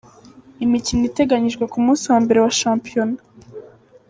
Imikino iteganyijwe ku munsi wa mbere wa shampiyona:.